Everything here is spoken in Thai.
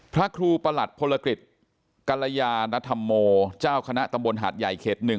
พระครูประหลัดภลกฤทธิ์กัลยานธรรโมเจ้าคณะตำบลหัดใหญ่เฑ๑